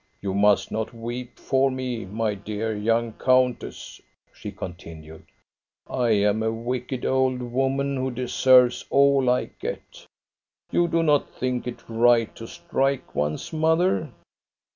You must not weep for me, my dear young countess," she continued. " I am a wicked old woman, who deserves all I get. You do not think it right to strike one's mother?